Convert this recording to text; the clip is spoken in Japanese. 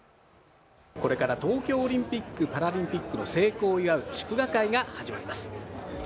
これから東京オリンピック・パラリンピックの成功を祝う祝賀会が始まります。